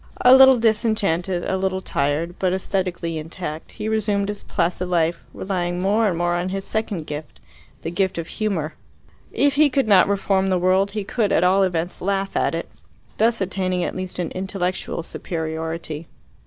A little disenchanted, a little tired, but aesthetically intact, he resumed his placid life, relying more and more on his second gift, the gift of humour. If he could not reform the world, he could at all events laugh at it, thus attaining at least an intellectual superiority.